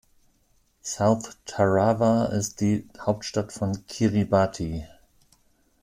South Tarawa ist die Hauptstadt von Kiribati.